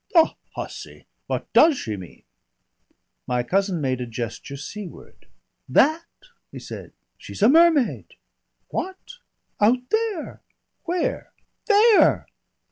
"The hussy! What does she mean?" My cousin made a gesture seaward. "That!" he said. "She's a mermaid." "What?" "Out there." "Where?" "There!"